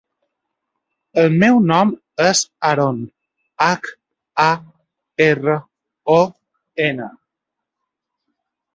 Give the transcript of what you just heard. El meu nom és Haron: hac, a, erra, o, ena.